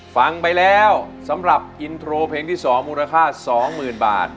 ฟังไปแล้วสำหรับอินโทรเพลงที่๒มูลค่า๒๐๐๐บาท